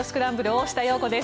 大下容子です。